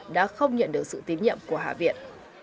đã không nhận được sự tín nhiệm của hạ viện